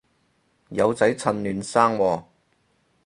有仔趁嫩生喎